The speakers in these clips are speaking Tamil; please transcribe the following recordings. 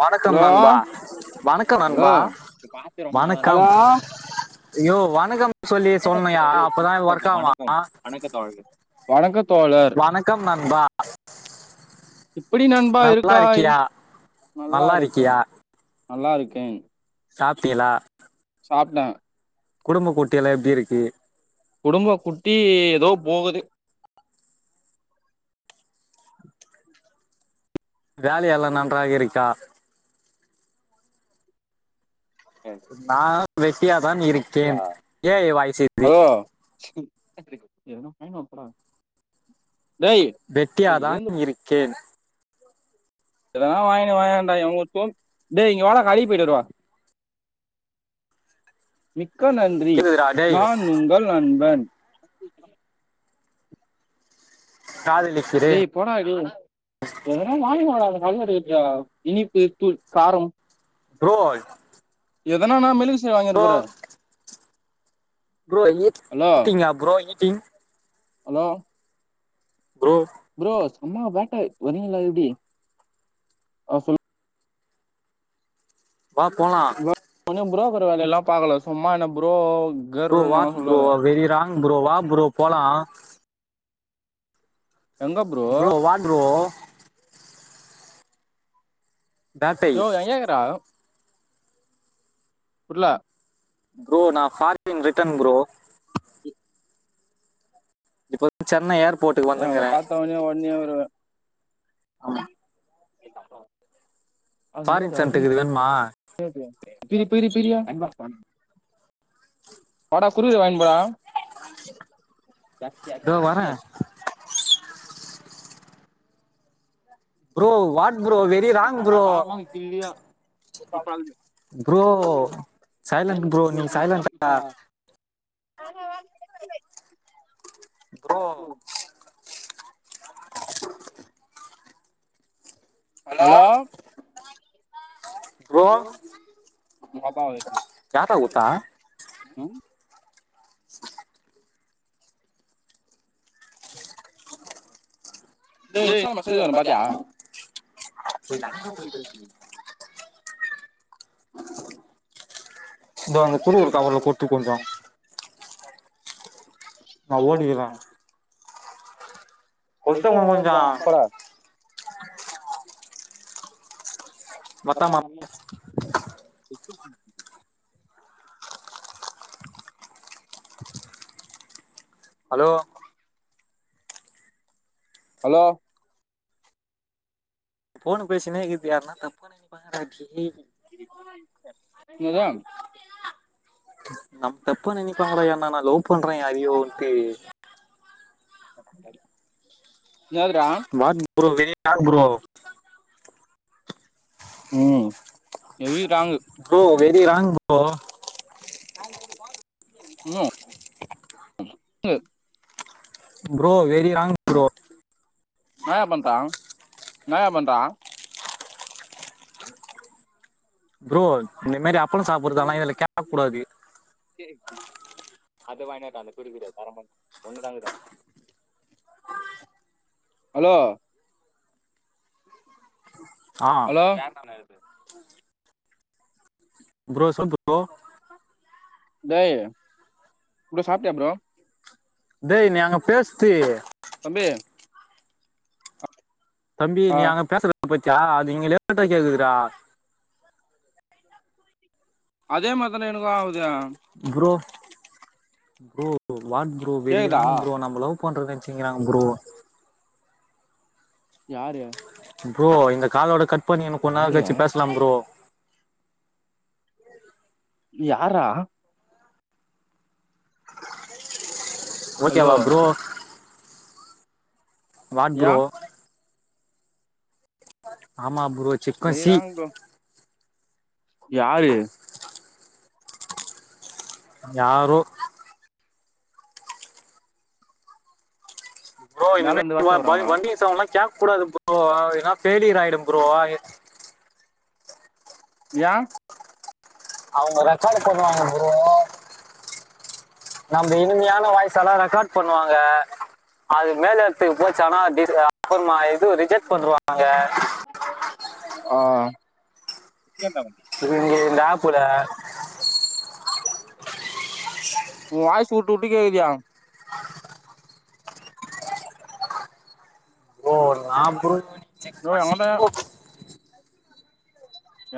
வணக்கம் ஹலோ நண்பா வணக் வணக்கம் ஹலோ நண்பா பாத்து ரொம்ப நாளா ஹலோ வணக்கம் யோவ் வணக்கம் சொல்லி வணக்கம் சொல்லியா தோழரே அப்பதான் கொஞ்சம் ஒர்க்காகும வணக்கம் வணக்க தோழரே வணக்க தோழர் வணக்கம் நண்பா எப்படி நண்பா நல்லா இருக்காய் இருக்கியா நல்லா இருக்கன் நல்லா இருக் கேன் சாப்பிட்டலா சாப்பிட்ட குடும்ப கூட்டி எல்லாம் எப்படி இருக்கு குடும்ப குட்டி ஏதோ போகுது வேல எல்லாம் நன்றாக இருக்கா நான் வேட் டியாதான் இருக்கேன் ஏ வாய்சது [inaudible] எதுவோ போன் [unintelligible] வெட்டியாதான் இருக்கேன் இதெல்லாம் வாங்கு வாங்கண்டா [unintelligible] டேய் இங்க வாடா கடைக்கு போயிட்டு வருவோ மிக்க நன்றி கேக்குதுடா டேய் நான் உங்கள் நண்பன் [unintelligible] டே காதலிக்கிறேன் போடா டே எதுனா வாங்கிட்டு என்னடா வாங்கிட்டுருக்க இனிப்பு தூள் காரம் ப்ரோல் எதனா நா மெழு வாங்கட்டு போற புரோ ஹலோ இட்டிங்கா புரோ இட்டிங் ஹலோ ப்ரோ புரோஸ் செம வேட்டா வரலா எப்படி ஆஹ் சொல் வாப் போலாம் தூங்குற வேலை எல்லாம் பாக்கலா சும்மா என்ன ப்ரோ ப்ரோ கர்ன்னு வாட் ப்ரோ சொல்லாத வெரி ராங் ப்ரோ வா ப்ரோ போலா ப்ரோ வாட் ப்ரோ பேட்டை ப்ரோ எங்க இருக்குற புர்ல ப்ரோ நான் ஃபாரின் ரிட்டன் ப்ரோ இப்ப வந்து சென்னை ஏர் எங்கள பாத்த ஒடனே ஒடனே வருவ ஆமா எங்க அக்கா ஃபாரின் சென்ட்டுக்குது வேணுமா பெ பிரி பிரி பிரியா வாடா குருவி வாங்கிபோடா இதோ வரே [unintelligible] ப்ரோ வா ப்ரோ வெரிராங் அம்மா ப்ரோ காரணமா கில்லியா ச்சி ப்ரோ சைலன் ப்ரோ நீ சைலன்டா [unintelligible] ப்ரோ ஹலோ ப்ரோ எனக்காக வெயிடிங் யார்டா குத்தா ம் [unintelligible] ஏ இந்த இன்ஸ்டால மெசஜே சரி வர்ல ஒன்று பாத்திய பாத்தியா நான் போய் பேசுறேன் [unintelligible] இந்த இப்போ அந்த அங்க குடு சிறு ஒரு கதை ஒருக்க [unintelligible] கொஞ்சோ சொல்லிட்டேன். நா நான் [unintelligible] ஓடிர்றே மா கொளுத்துங்கோ கொஞ்சோ எப்ப மொத்தமா நல்லாச்சு [unintelligible] ஹலோ ஹலோ ஃபோனு பேசினே இக்குது யார்னா தப்பா நெனப்பாங்கடா [unintelligible] இல்லையா நம்ம தப்ப நினைப்பாங்கனா நான் லவ் பண்றேன் யறோன்ட்டு அப்படி என்னாதுடா வாட் ப்ரோ வேற யார் ப்ரோ உம் எப்டி ராங்கு ப்ரோ வெரி ராங் போ உம் [inaudible] ப்ரோ வெரி ராங் ப்ரோ நயா பந்தா நயா பந்தா ப்ரோ இந்த மாரி அப்பளம் சாப்புறதுதாலா இதுல கேக்க கூடாது சரி அது வாயினட்டா அந்த குருக்குர தரமன் ஒண்ணு தாங்குதா ஹலோ ஆ ஹலோ ப்ரோ சொல் ப்ரோ ப்ரோ சாப்ட்டியா ப்ரோ டேய் நீ அங்க பேசிட்டு தம்பி தம்பி ஆ நீ அங்க பேசத பத்யா நீங்களே [unintelligible] அதே மாரி தான எனக்கு ஆ bro bro what bro very கேக்குதா ராங் ப்ரோ நம்ம லவ் பண்றொ நெச்சிங்கிறாங்க ப்ரோ யாரு ப்ரோ இந்த காலோட கட் ப்ப நீ இன்னு கொஞ் நேரொ யாரு கழிச்சி பேசலாம் ப்ரோ யார்ரா ஹலோ ஓகேவா ப்ரோ வாட் யா ப்ரோ ஆமா ப்ரோ சிக்கொ வெரி சி ராங் ப்ரோ யாரு யாரோ ப்ரோ இந்த மேல இருந்து வாச்சா வராங்களா [unintelligible] கூடாது ப்ரோ ஏனா ஃபேலியர் ஆயிடும் ப்ரோ யா அவுங்க ரெக்காடு பண்ணுவாங்க ப்ரோ நம்ப இனிமையான வாய்ஸல்லா ரெக்கார்ட் பண்ணுவாங்க அது மேலெடத்துக்கு போச்சானா டி ஆ எந்த [unintelligible] ங்கடாப்பொற அ உன் வாய்ஸ் வுட்டு வுட்டு கேக்குதே [inaudible] ப்ரோ நா ப்ரோ ப்ரோ எங்கதா [unintelligible] [inaudible]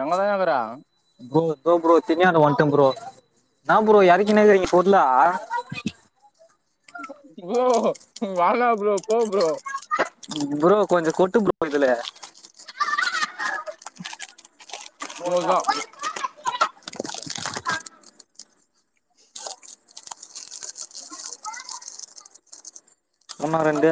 எங்கதாயகிர ப்ரோ தோ ப்ரோ தினயாண்ட வன்ட ப்ரோ நான் ப்ரோ இறக்கினேக்கிறீங்க போருலா ப்ரோ வேனா ப்ரோ போ ப்ரோ ப்ரோ கொஞ்சம் கொட்டு ப்ரோ இதுல போதான் அவ்ளோதா உன்னோ ரெண்டு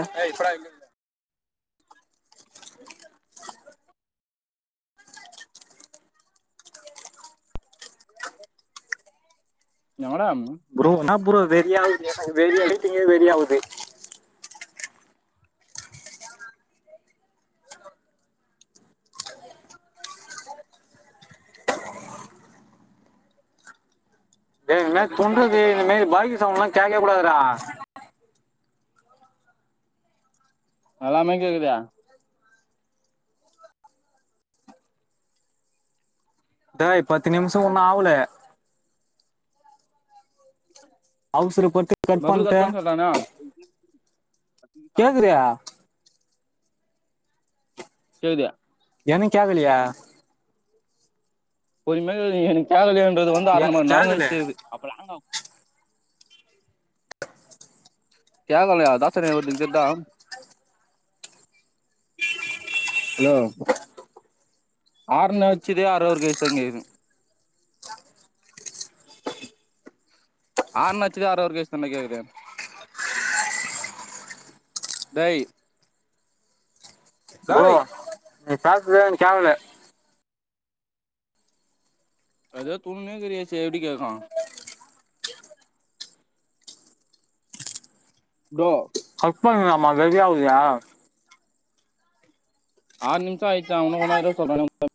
எவட ப்ரோ நா அப்புறம் வெறியிவுது [unintelligible] எனக்கு வெறியகுது [inaudible] ஏ இன்தமாரி தொன்றது பாக்கி சவுண்டலாம் கேட்கவே கூடாதுறா எல்லாமே கேக்குதே டேய்பத்து நிமிஷம் இன்னும் ஆவல அவசர பட்டு மபுள் கடப்பன சொல்ட்டான கேட்குறியா சப்ப கேக்குதே எனக்கு கேக்கலயே பொறுமயா கேக்குது எனக்கு கேகலயோ இப்ப இது வந்து எனக்கு அரமண்ணரம் கேட்கல வேஸ்ட் இது கேக்கலயா [unintelligible] ஹலோ ஆறுன வச்சதே ஆறவுறு வேஸ்ட் ஹா கேக்குது ஆர்னனச்சதே அர்ரவற் கய்சி தான்ட கேக்குதே டேய் ப்ரோ டேய் நீ பேசுறதே கேக்கல எதோ தூணுனே கரியா செ எப்படி கேக்கோ ப்ரோ கட் பண்ணலாமா வெறியாவுது ஆறுநிமிஷம் அய்ச்சா இனோ கோயின்நேரம் இருக்க சொல்றக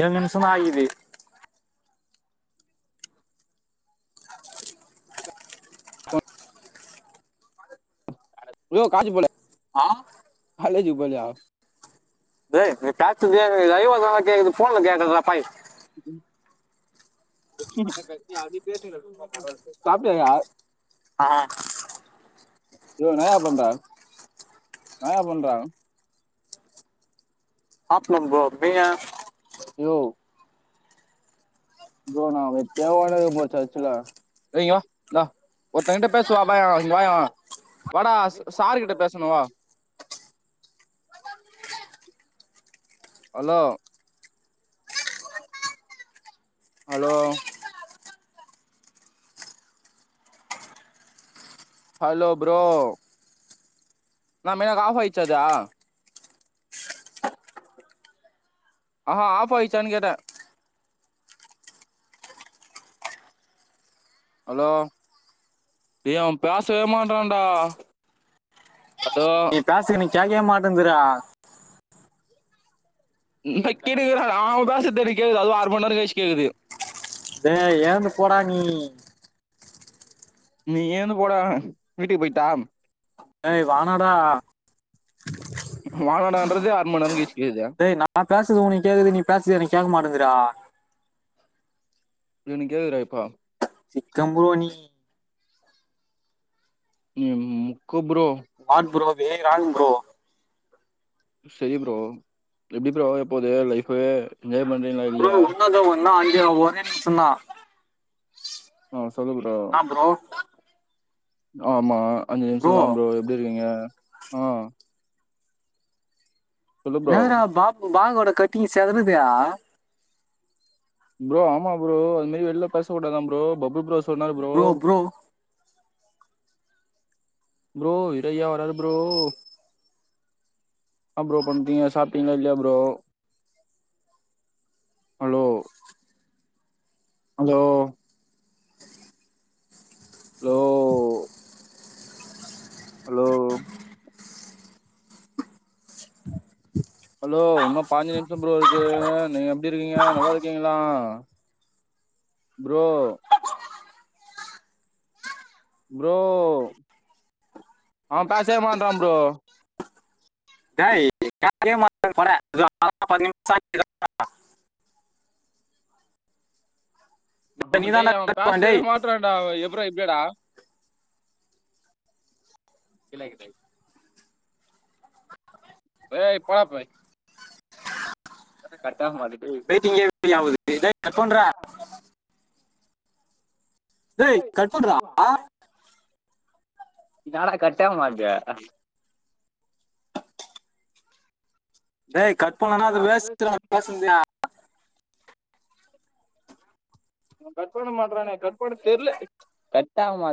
ஏழு நிமிஷம ஆகிது ப்ரோ கலேஜி போலா ஆ கலேஜ் போலயா நீ பேசாதே லைவதான் கேக்குது போன்ல கேக்லடா பாவி சாப்டியா யா ஆ யோ நாயா பன்ற நயா பன்ற ஆப் நம்போ பயா யோ ப்ரோ [unintelligible] ஏய் இங்க வா வா ஒருத்தன் கிட்ட பேசுவா இங்க வாய வடா சாரு கிட்ட பேசனு வா. அலோ. அலோ. Hello bro. என்னமே ஹ ஆப்பாயிருச்சா அது. ஆஹா ஆஃப்யிச்சானு கேட்ட. அலோ டேய் அவ பேசவேமாட்டறான்டா. அலோ. கேக்கயே மாட்டைங்குதுடா. [unintelligible] டேய் எழுந்து போடா நீ. நீ எழுந்து போடா வீட்டுக்கு போயிட்டா. ஏய் வானாடா. வானாடன்றது ஆறுமணிநேரகெழுச்சு. டேய் நா பேஸ்து ஒணக்கேக்குது நீ பேஸ்து எனக்கு கேட்க மாட்டைங்குதுடா. எனக் கேக்துடா இப்போ. சிக்கம்போ நீ. நீ முக்கு bro. What bro. Very wrong bro. சேரி ப்ரோ எப்டி ப்ரோ போது லைஃப்பு. ப்ரோ உன்னதா ஒன்னாய். ஹே ஒரே நிம்சந்தா. ஹ சொல்லுபுலா. ஆமா. அஞ்சு நிம்ஷதா ப்ரோ எப்டி இருக்கீங்க. ஆஹ. ப்ரோ என்னாடா பாபு. பாகோட கட்டிங் செதருதா. ப்ரோ ஆமா ப்ரோ அதுமாரி வெள்ள பேச கூடதா ப்ரோ பப்புப்ரோ. சொன்னார் ப்ரோ. ப்ரோ இடயா வராது ப்ரோ. என்ன ப்ரோ பண்றீங்க சாப்பிட்டீங்ளா இல்லயா ப்ரோ. ஹலோ. அலோ. லோ. அலோ. அலோ உன்னா பாஞ்சு நிமிஷம் ப்ரோ இருக்கு நீங்க எப்டி இருக்கீங்க நல்லா இருக்கீங்களா ப்ரோ. ப்ரோ அவ பேஸ்வே மாட்றா ப்ரோ. [unintelligible] ஆமாடா நீதான்டா டேய் அவ பண்ண, பேஸ்வே டேய் மாட்றான்டா எப்ரா இப்டியாடா. இல்லகடை. டேய் போடா பேய். கட்டா மாரி வெயிடிங்கே [inaudible] ஆவுது டே கட்பண்றா டேய் கட் பண்றா னாடா கட் ஆவமாட்தே டேய் கட் பண்லனா அது வேஸ்டுடா பேசன்னுது கட் பண்ண மாற்றானே கட் பண்ண தெர்ல கட்டாவ மா